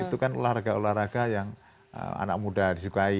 itu kan olahraga olahraga yang anak muda disukai